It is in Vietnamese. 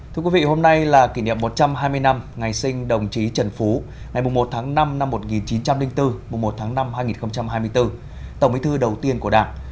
thưa quý vị hôm nay là kỷ niệm một trăm hai mươi năm ngày sinh đồng chí trần phú ngày một tháng năm năm một nghìn chín trăm linh bốn một tháng năm hai nghìn hai mươi bốn tổng bí thư đầu tiên của đảng